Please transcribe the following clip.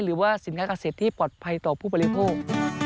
หรือว่าสินค้าเกษตรที่ปลอดภัยต่อผู้บริโภค